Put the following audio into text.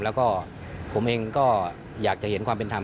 แล้วก็ผมเองก็อยากจะเห็นความเป็นธรรม